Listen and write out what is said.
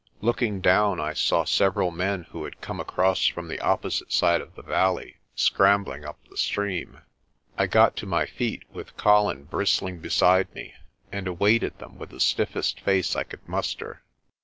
Looking down, I saw several men who had come across from the opposite side of the valley scrambling up the stream. I got to my feet, with Colin bristling be side me, and awaited them with the stiffest face I could muster.